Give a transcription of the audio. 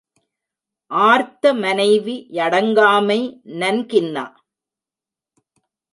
ஆர்த்த மனைவி யடங்காமை நன்கின்னா